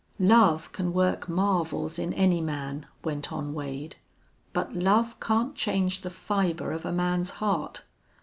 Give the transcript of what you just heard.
"Love can work marvels in any man," went on Wade. "But love can't change the fiber of a man's heart.